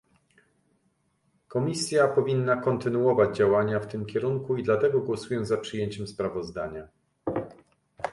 Komisja powinna kontynuować działania w tym kierunku i dlatego głosuję za przyjęciem sprawozdania